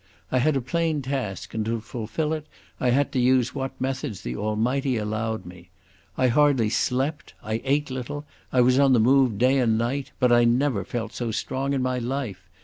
I had a plain task, and to fulfil it I had to use what methods the Almighty allowed me. I hardly slept, I ate little, I was on the move day and night, but I never felt so strong in my life.